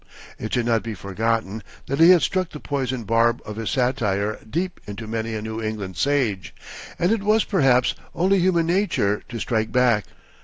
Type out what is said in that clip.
It should not be forgotten that he had struck the poisoned barb of his satire deep into many a New England sage, and it was, perhaps, only human nature to strike back.